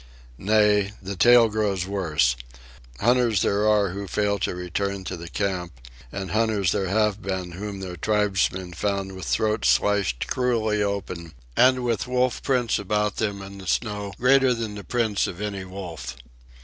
Nay, the tale grows worse. Hunters there are who fail to return to the camp, and hunters there have been whom their tribesmen found with throats slashed cruelly open and with wolf prints about them in the snow greater than the prints of any wolf.